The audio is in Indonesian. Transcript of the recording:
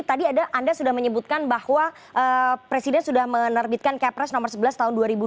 tadi anda sudah menyebutkan bahwa presiden sudah menerbitkan kepres nomor sebelas tahun dua ribu dua puluh